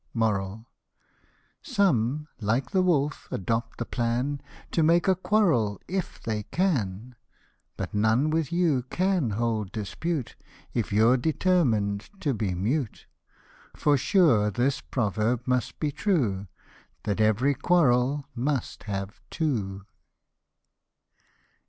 Some, like the wolf, adopt the plan To make a quarrel if they can ; But none with you can hold dispute If you're determined to be mute ; For sure this proverb must be true, That ev'ry quarrel must have two.